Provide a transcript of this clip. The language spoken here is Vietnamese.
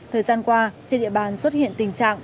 thời gian qua trên địa bàn xuất hiện tình trạng